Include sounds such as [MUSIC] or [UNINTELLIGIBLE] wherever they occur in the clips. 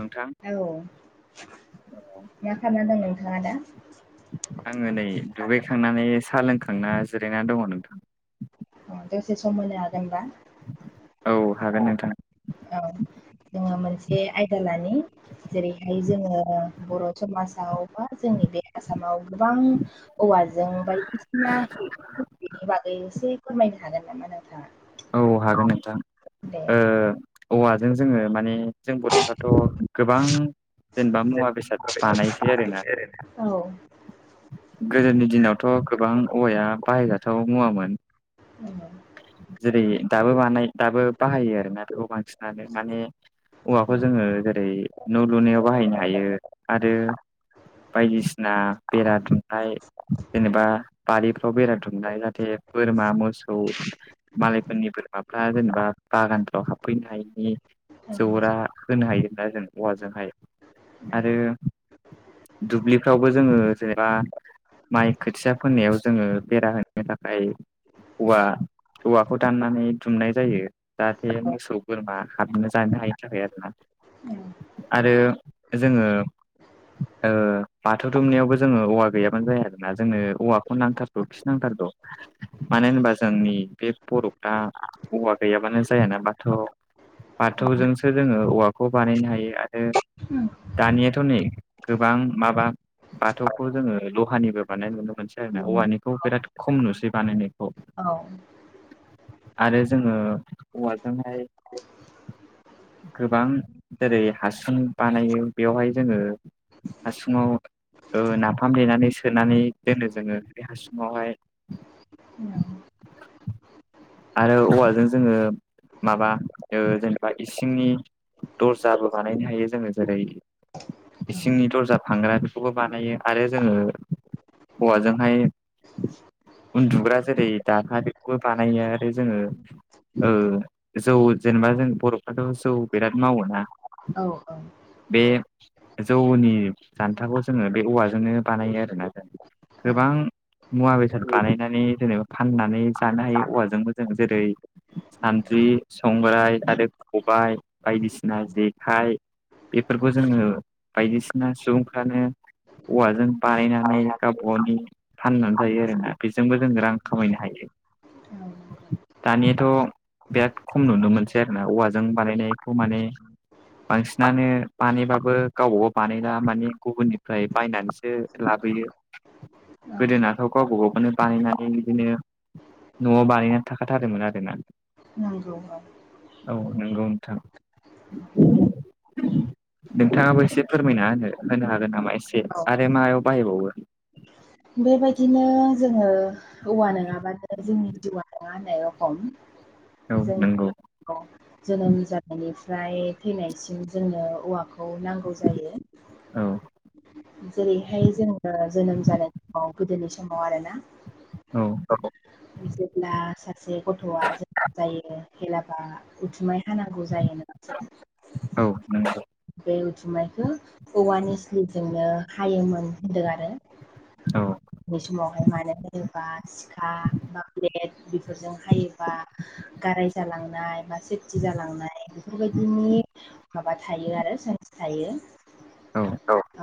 नोंथां औ मा खामना दं नोंथाङा दा? आङो नै दुगैखांनानै साहा लोंखांना जिरायना दङ नोंथां। अ' दसे सम होनो हागोनबा। औ हागोन नोंथां। औ जोङो मोनसे आयदा लानि जेरैहाय जोङो बर' समाजाव बा जोंनि बे आसामाव गोबां औवाजों बायदिसिना [UNINTELLIGIBLE] बागै एसे फोरमायनो हागोन नामा नोंथाङा। औ हागोन नोंथां दे ओ औवाजों जोङो माने जों बर'फ्राथ' गोबां जेनेबा मुवा बेसाद बानायनोसै आरोना औ गोदोनि दिनावथ' गोबां औवाया बाहायजाथाव मुवामोन [INAUDIBLE] जेरै दाबो बानाय दाबो बाहायो आरोना बेफोरखौ बांसिनानो माने औवाखौ जोङो जेरै न' लुनायाव बाहायनो हायो आरो बायदिसिना बेरा दुमनाय जेनेबा बारिफ्राव बेरायथुमनाय जाहाथे बोरमा मोसौ मालायफोरनि बोरमाफ्रा जेनेबा बागानफ्राव हाबफैनो हायिनि जौरा होनो हायोब्ला जों औवाजोंहाय आरो दुब्लिफ्रावबो जोङो जेनेबा माइ खोथिया फोननायाव जोङो बेरा होनो थाखाय औवा औवाखौ दाननानै दुमनाय जायो जाहाथे मोसौ बोरमा हाबनो जानो हायिनि थाखाय आरो ना। आरो जोङो बाथौ दुमनायावबो जोङो औवा गैयाबानो जाया आरोना जोंनो औवाखौ नांथारद' खि नांथारद' मानो होनबा जोंनि बे बर'फ्रा हवा गैयाबानो जाया नाबाथ' बाथौजोंसो जोङो औवाखौ बानायनो हायो आरो दानियाथ' नै गोबां माबा बाथौ खौ जोङो लहानिबो बानायनाय नुनो मोनसै आरो ना औवानिखौ बिराद खम नुसै बानायनायखौ औ आरो जोङो औवाजोंहाय गोबां जेरै हासन बानायो बेवहाय जोङो। आस म नाफाम देनानै सोनानै दोनो जोङो बे हासुङावहाय औ आरो औवाजों जोङो माबा जेनेबा इसिंनि दर्जाबो बानायनो हायो जोङो जेरै इसिंनि दर्जा फानग्रा बेखौबो बानायो आरो जोङो हौवाजोंहाय उन्दुग्रा जेरै दाखाबो बानायो आरो नथाय जोङो जौ जेनेबा जों बर'फ्राथ' जौ बिराद मावोना। औ औ। बे जौनि जान्थाखौ जोङो बे औवाजोंनो बानायो आरोोना जों गोबां औ मुवा बेसाद बानायनानै जेनेबा फाननानै जानो हायो औवाजोंबो जों जेरै सानद्रि संग्राय आरो खबायाइ बायदिसिना जेखाइ बेफोरखौ जोङो बायदिसिना सुबुंफ्रानो औवाजों बानायनानै गावबाग गावनि फाननानै जायो आरोना बि जोंबो जों रां खामायनो हायो। औ दानियाथ' बिराद खम नुनो मोनसै आरोोना औवाजों बानायनायखौ माने बांसिनानो बानायबाबो गावबागाव बानायना माने गुबुननिफ्राय बायनानैसो लाबोयो। [INAUDIBLE] औ गोदोनाथ' गावबा गावखौनो बानायनानै बिदिनो न'आव बानायना थाखाथारोमोन आरोना। [UNINTELLIGIBLE] औ नंगौ नोंथां। [INAUDIBLE] नोंथाङाबो एसे फोरमायना होनो होनो हागोन नामा एसे औ आरो मायाव बाहायबावो? बेबायदिनो जोङो औवा नङाबानो जोंनि जिउवा नङा जेरखम औ जों नंगौ जोनोम जानायनिफ्राय थैनायसिम जोंनो औवाखौ खौ नांगौ जायो औ जेरैहाय जोङो जोनोम जानाय औ गोदोनि समाव आरोना। औ। जेब्ला सासे गथ'आ जोनोम जायो हेलाबा उथुमाय हानांगौ जायोमोन। [INAUDIBLE] औ नंगौ। बे उथुमैखो औवानि सिलिबजोंनो हायोमोन होन्दों आरो। औ उन्दै समावहाय मानो होनोबा सिखा बा ब्लेट बेफोरजों हायोबा गाराय जालांनाय बा सेफटि जालांनाय बेफोरबायदिनि माबा थायो आरो सान्स थायो। औ।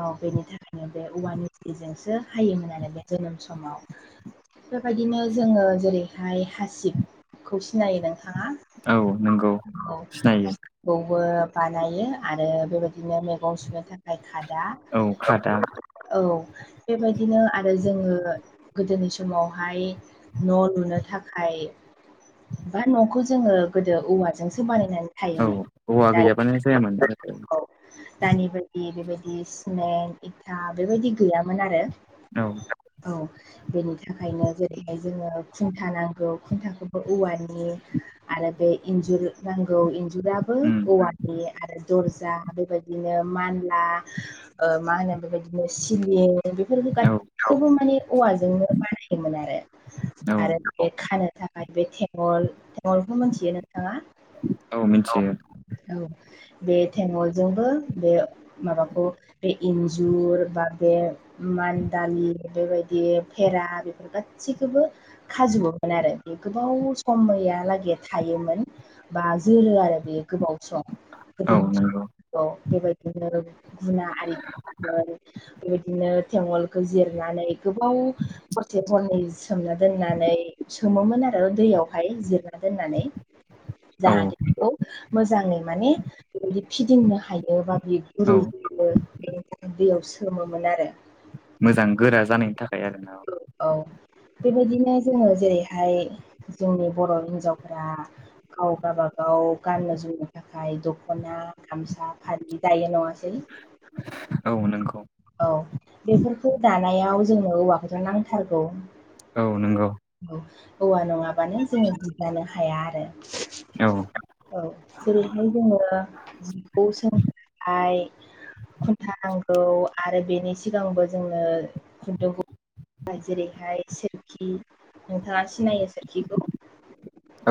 औ बेनि थाखायनो बे औवानि एफटिजोंसो हायोमोन आरो बे जोनोम समाव। बेबायदिनो जोङो जेरैहाय हासिबखौ सिनायो नों थाङा औ नंगौ औ। सिनायो बेखौबो बानायो आरो बेबायदिनो मैगं सुनो था खाय खादा औ खादा औ बेबायदिनो आरो जोङो गोदोनि समावहाय न' लुनो थाखाय बा न'खौ जोङो गोदो औवाजोंसो बानायनानै औ थायोमोन। औवा गैयाबानो जायामोन गोदो दानि बायदि बेबायदि स्मेन्ट इथा बेबायदि गैयामोन आरो। औ। औ। बेनि थाखायनो जेरैहाय जोङो खुन्था नांगौ खुन्थाखौबो औवानि आरो बे इन्जुर नांगौ इन्जुराबो उम औवानि आरो दरजा बेबायदिनो मानला ओ मा होनो बेबायदिनो सिलिं बेफोरखौ औ [UNINTELLIGIBLE] बेखौबो माने औवाजोंनो बानायोमोन आरो औ आरो बे खानो थाखाय बे थेङल थेङलखौ मिथियो नोंथाङा? औ मिन्थियो। औ बे थेङलजोंबो बे माबाखौ बे इन्जुर बा बे मान दालि बेबायदि फेरा बेफोर गासिखोबो खाजोबोमोन आरो बे गोबाव समयालागै थायोमोन। बा जोरो आरो बेयो गोबाव सम औ गोदोनि नंगौ सम बेबायदिनो गुना आरि बेबायदिनो थेङल खौ जिरनानै गोबाव हरसे हरनै सोमना दोननानै सोमोमोन आरो दैयावहाय जिरना दोननानै औ जाहाथे बेखौ मोजाङै माने बेबायदि फिदिंनो हायो बा बे औ रुइबो बेनि थाखाय दैयाव सोमोमोन आरो। मोजां गोरा जानायनि थाखाय आरो ना औ। औ बेबायदिनो जोङो जेरैहाय जोंनि बर' हिन्जावफोरा गाव गाबागाव गाननो जोमनो थाखाय दख'ना गामसा फालि दायो नङासै औ नंगौ औ बेफोर खौ दानायाव जोंनो औवाखौथ' नांथारगौ। औ नंगौ औ औवा नङाबानो जोङो जि जानो हाया आरो। औ औ जेरैहाय जोङो जिखौ सोंनोहाय खुन था नांगौ आरो बेनि सिगांबो जोंनो खुन्दुंखौ जेरैहाय सोरखि नोंथाङा सिनायो सोरखिखौ?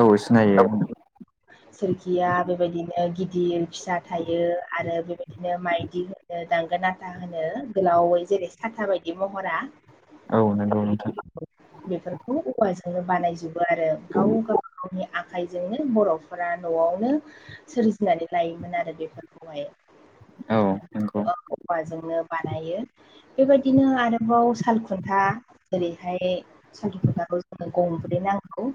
औ सिनायो सोरखिया बेबायदिनो गिदिर फिसा थायो आरो बेबाय बिदिनो माइदि होनो दांगोन नाथा होनो गोलावै जेरै साथा बायदि महरा औ नंगौ नोंथां बेफोरखौ औवाजोंनो बानायजोबो आरो गाव गाव गावनि आखाइजोंनो बर'फोरा न'आवनो सोरजिनानै लायोमोन आरो बेफोरखौहाय। औ नंगौ औवाजोंनो बानायो बेबायदिनो आरोबाव साल खुन्था जेरैहाय साल खुन्थाखौ जोंनो गंब्रै नांगौ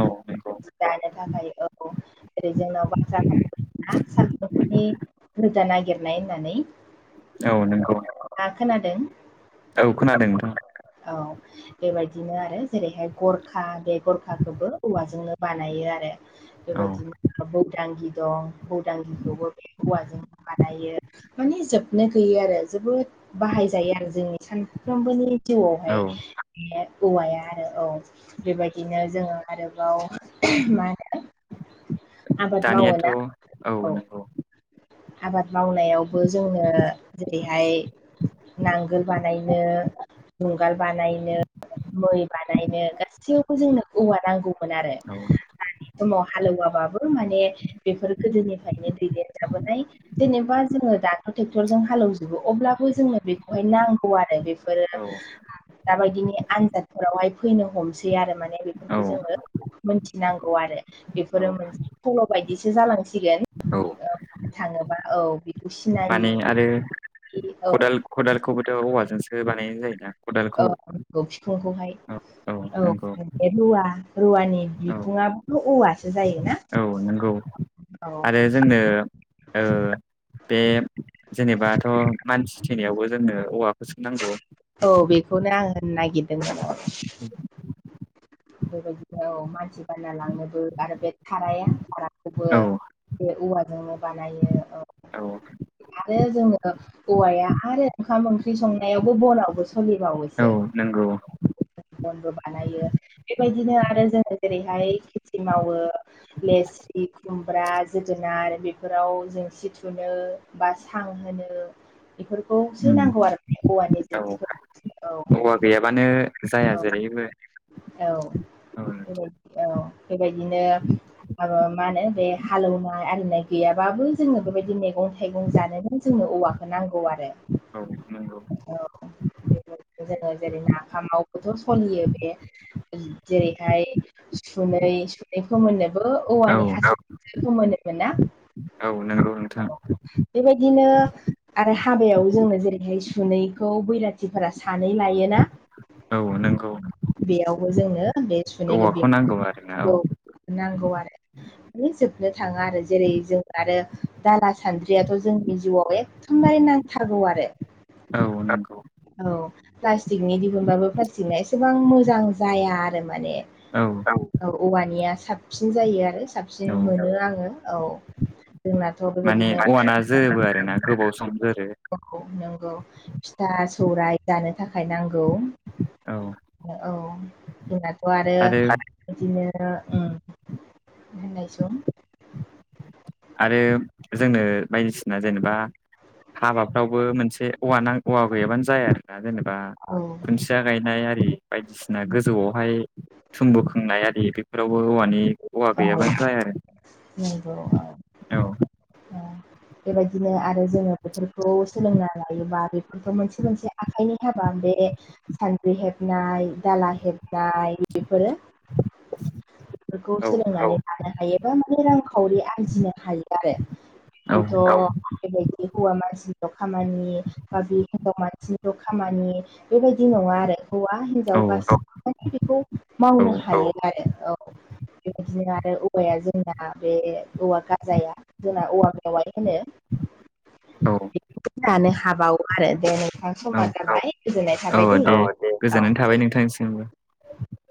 औ नंगौ दानो थाखाय औ जेरै जोंनाव बाथ्रा फाव दंना साल खुन्थानि रोदा नागिरनाय होननानै। औ नंगौ नोंथाङा खोनादों? औ खोनादों नोंथां। औ बेबायदिनो आरो जेरैहाय गरखा बे गरखखौबो औवाजोंनो बानायो आरो। औ बेबायदिनो बौदांगि दं बौदांगिखौबो बे औवाजों बानायो माने जोबनो गैयो आरो जोबोद बाहायजायो आरो जोंनि सान फ्रोमबोनि जिउआवहाय औ बे औवाया आरो औ बेबायदिनो जोङो आरोबाव मा होनो आबाद मावो दानियाथ' ना औ आबाद मावनायावबो जोङो जेरैहाय नांगोल बानायनो जुंगाल बानायनो मै बानायनो गासैयावबो जोंनो औवा नांगौमोन आरो। औ दानि समाव हालौवाबाबो माने बेफोर गोदोनिफ्रायनो दैदेनजाबोनाय। जेनेबा जोङो दाथ' ट्रेक्टरजों हालेवजोबो अब्लाबो जोंनो बेखौहाय नांगौ आरो बेफोरो औ दाबायदिनि आनजादफोरावहाय फैनो हमसै आरो माने औ बेफोरखौ जोङो मोनथिनांगौ आरो औ बेफोरो मोनसे सल' बायदिसो जालांसिगोन। औ ओ थाङोबा औ बेखौ माने आरो सिनायि औ खदाल खदालखौबोथ' औवाजोंसो बानायनाय जायोना। औ खदालखौ नंगौ फिखुंखौहाय औ औ नंगौ रुवा रुवानि बिखुङाबोथ' औवासो जायोना। नोंगौ औ आरो जोंनो ओ बे जेनेबाथ' मानसि थैनायावबो जोंनो औवाखौ सो नांगौ। औ बेखौनो आं होननो नागिरदों मोन। बेबायदिनो औ मानसि बानना लांनोबो आरो बे धाराया दाराखौबो। औ बे औवाजोंनो बानायो औ आरो जोङो औवाया आरो ओंखाम ओंख्रि संनायावबो बनावबो औ सोलिबावोसो। नंगौ बनबो बानायो बेबायदिनो आरो जोङो जेरैहाय खेथि मावो लेस खुमब्रा जोगोनार बेफोराव जेंसि थुनो बा सां होनो बेफोरखौसो उम नांगौ आरो औवानि औ जेंसिफोरा औवा गैयाबानो जाया औ जेरैबो औ औ बेबायदि औ बेबायदिनो आरो मा होनो बे हालेवनाय आरिनाय गैयाबाबो जोङो बेबायदि मैगं थाइगं जानोनो जोंनो औवा खौ नांगौ आरो औ नंगौ औ बेफोरखो जोङो जेरै नाफामावबोथ' सोलियो बे उम जेरैहाय सुनै सुनै फोमोननोबो औ औवानि हासुं आवसो फोमोनोमोन ना नोंगौ नोंथां बेबायदिनो आरो हाबायाव जोंनो जेरैहाय सुनैखौ बैराथिफोरा सानै लायोना औ नोंगौ बेयावबो जोंनो बे सुनै आरोना औ [INAUDIBLE] नांगौ आरो माने जोबनो थाङा आरो जेरै जों आरो दाला सान्द्रियाथ' जोंनि जिउआव एखथमबारे नांथारगौ आरो औ नंगौ औ प्लास्टिकनि दिहुनबाबो प्लास्टिकनिया एसेबां मोजां जाया आरो माने औ औवानिया साबसिन जायो आरो औ साबसिन मोनो आङो औ जोंनाथ' माने बेबायदिनो औवाना जोरोबो आरोना गोबाव सम जोरो [UNINTELLIGIBLE] औ नंगौ फिथा सौराय जानो थाखाय नांगौ औ औ जोंनाथ' आरो बिदिनो उम होननाय सं आरो जोंनो बायदिसिना जेनेबा हाबाफ्रावबो मोनसे औवा नांग औवा गैयाबानो जाया दा जेनेबा औ खुन्थिया गायनाय आरि बायदिसिना गोजौआवहाय थुमबु खोंनाया आरि बेफोरावबो औवानि औवा औ गैयाबानो जाया आरो नंगौ औ औ नङा बेबायदिनो आरो जोङो बेफोरखौ सोलोंना लायोबा बेफोरखौ मोनसे मोनसे आखाइनि हाबा बे सान्द्रि हेबनाय दाला हेबनाय बेफोरो बेफोरखौ औ सोलोंनानै लानो हायोबा माने रांखावरि आरजिनो हायो आरो औ बेखौथ' बेबायदि हौवा मानसिल' खामानि बा बे हिनजाव मानसिनिल' खामानि बेबायदि नङा आरो हौवा औ हिन्जाव गासिबो बेखौ मावनो हायो आरो औ बेबायदिनो आरो औवाया जोंना बे औवा गाजाया जोंना औवा मेवाइ होनो औ बे जानो हाबावो आरो दे नोंथां समाज जाबाय गोजोननाय थाबाय थाबायदै औ दे औ गोजोन